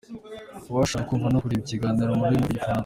Uwashaka kumva no kureba iki kiganiro mu rurimi mu rw’Igifaransa.